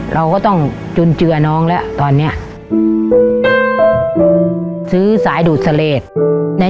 เราก็ต้องจุนเจือน้องแล้วตอนนี้